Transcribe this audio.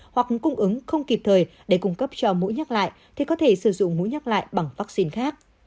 hoặc cung ứng không kịp thời để cung cấp cho mũi nhắc lại thì có thể sử dụng mũi nhắc lại bằng vaccine khác